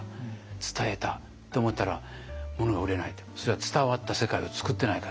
伝えたって思ったらものが売れないってそれは伝わった世界を作ってないからだと。